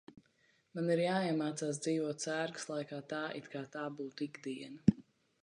Man ir jāiemācās dzīvot sērgas laikā tā, it kā tā būtu ikdiena.